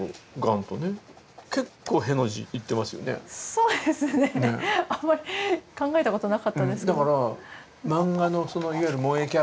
そうですねあんまり考えたことなかったですけど。